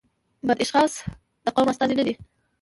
بد اشخاص د قوم استازي نه دي.